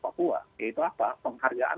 papua yaitu apa penghargaan